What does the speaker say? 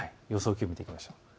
気温を見ていきましょう。